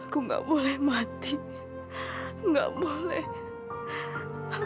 gue harus menerima kuliah